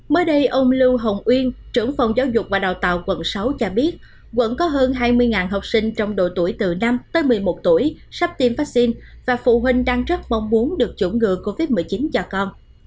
mới đây ông lưu hồng uyên trưởng phòng giáo dục và đào tạo quận sáu cho biết quận có hơn hai mươi học sinh trong độ tuổi từ năm tới một mươi một tuổi sắp tiêm vaccine và phụ huynh đang rất mong muốn được chủng ngừa covid một mươi chín cho con